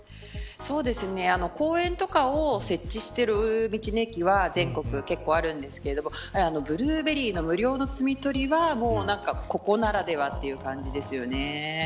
公園とかを設置している道の駅は全国結構あるんですけどやはりブルーベリーの無料の摘み取りはここならではという感じですよね。